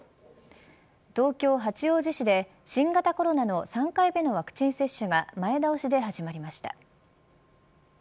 東京、八王子市で新型コロナの３回目のワクチン接種が前倒しで始まりました。